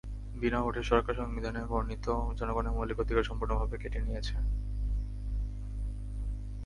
বিনা ভোটের সরকার সংবিধানে বর্ণিত জনগণের মৌলিক অধিকার সম্পূর্ণভাবে কেটে নিয়েছে।